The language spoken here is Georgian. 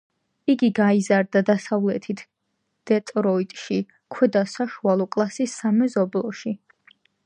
იგი გაიზარდა დასავლეთით დეტროიტში, ქვედა საშუალო კლასის სამეზობლოში.